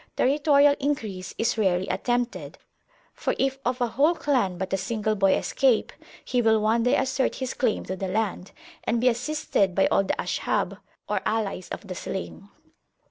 Territorial increase is rarely attempted, for if of a whole clan but a single boy escape he will one day assert his claim to the land, and be assisted by all the Ashab, or [p.114] allies of the slain.